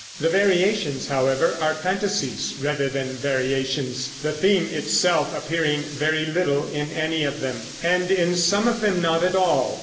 The variations, however, are fantasies rather than variations, the theme itself appearing very little in any of them, and in some of them not at all.